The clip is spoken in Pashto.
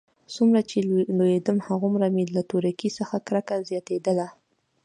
څومره چې لوېيدم هماغومره مې له تورکي څخه کرکه زياتېدله.